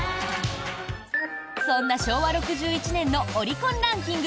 そんな昭和６１年のオリコンランキング